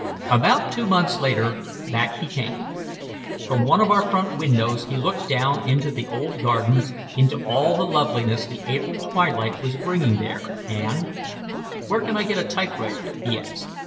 About two months later, back he came. From one of our front windows he looked down into the old Gardens, into all the loveliness the April twilight was bringing there, and, "Where can I get a typewriter?" he asked.